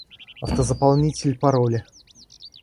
Автозаполнять пароли